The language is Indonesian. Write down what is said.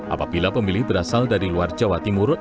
apabila pemilih berasal dari luar jawa timur